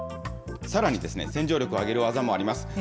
さらに、洗浄力を上げる技もあります。